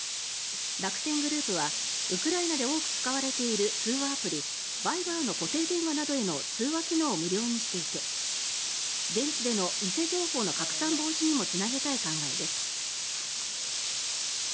楽天グループはウクライナで多く使われている通話アプリ、Ｖｉｂｅｒの固定電話などへの通話機能を無料にしていて現地での偽情報の拡散防止にもつなげたい考えです。